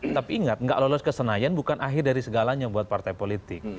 tapi ingat nggak lolos ke senayan bukan akhir dari segalanya buat partai politik